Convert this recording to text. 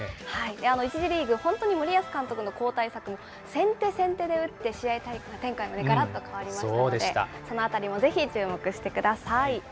１次リーグ、本当に森保監督の交代策も先手先手で打って、試合展開もがらっと変わりましたので、そのあたりもぜひ、注目してください。